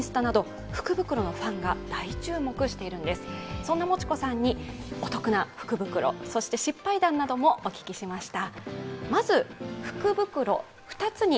そんなもちこさんにお得な福袋、そして失敗談などもお聞きしました。